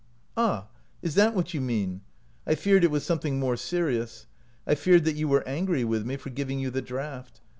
" Ah, is that what you mean ? I feared it was something more serious. I feared that you were angry with me for giving you the draught.